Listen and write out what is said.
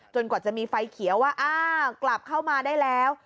กว่าจะมีไฟเขียวว่าอ้าวกลับเข้ามาได้แล้ว